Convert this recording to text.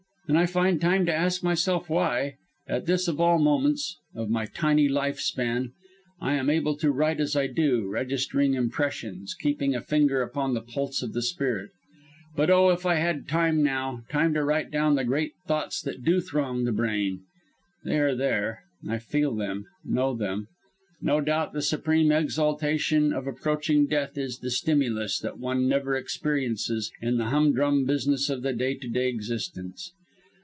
And I find time to ask myself why, at this of all moments of my tiny life span, I am able to write as I do, registering impressions, keeping a finger upon the pulse of the spirit. But oh! if I had time now time to write down the great thoughts that do throng the brain. They are there, I feel them, know them. No doubt the supreme exaltation of approaching death is the stimulus that one never experiences in the humdrum business of the day to day existence.